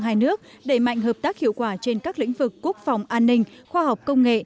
hai nước đẩy mạnh hợp tác hiệu quả trên các lĩnh vực quốc phòng an ninh khoa học công nghệ